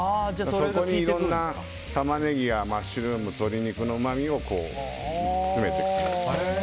そこにいろんなタマネギやマッシュルーム、鶏肉のうまみを詰めていくと。